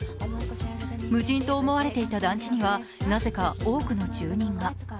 無人と思われていた団地にはなぜか多くの住人が。